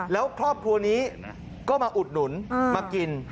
แล้วครอบครัวนี้ก็มาอุดหนุนมากิน